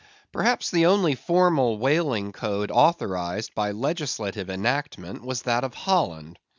Perhaps the only formal whaling code authorized by legislative enactment, was that of Holland.